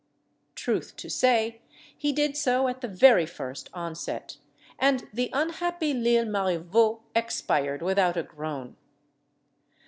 Truth to say, he did so at the very first onset, and the unhappy L'Isle Marivaut expired without a groan.